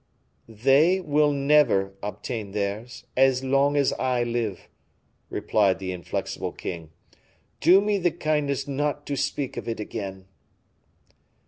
"They will never obtain theirs, as long as I live," replied the inflexible king. "Do me the kindness not to speak of it again."